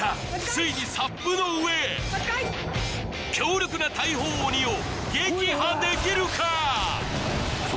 ついにサップの上へ強力な大砲鬼を撃破できるか！？